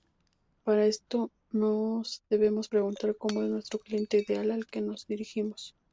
Para esto nos debemos preguntar cómo es nuestro cliente ideal al que nos dirigimos.